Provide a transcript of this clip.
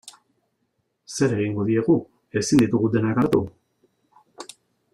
Zer egingo diegu, ezin ditugu denak hartu.